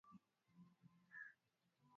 Polisi walikataa kutoa maoni kuhusu marufuku